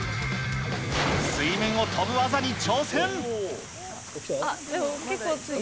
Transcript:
水面を跳ぶ技に挑戦。